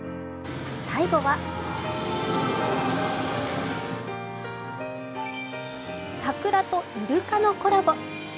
最後は桜とイルカのコラボ。